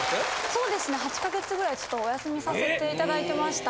そうですね８か月位ちょっとお休みさせて頂いてました。